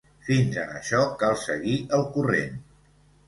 Fins en això cal seguir el corrent.